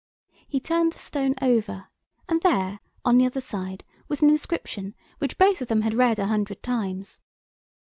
He turned the stone over, and there, on the other side, was an inscription which both of them had read a hundred times.